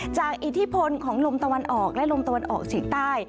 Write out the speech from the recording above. อิทธิพลของลมตะวันออกและลมตะวันออกเฉียงใต้